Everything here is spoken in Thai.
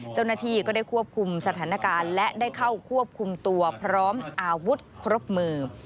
เจ้าหน้าที่ก็ได้ควบคุมสถานการณ์และได้เข้าควบคุมตัวพร้อมอาวุธครบมือ